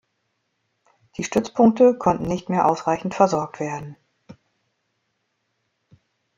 Die Stützpunkte konnten nicht mehr ausreichend versorgt werden.